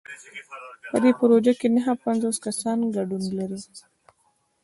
په دې پروژه کې نهه پنځوس کسان ګډون لري.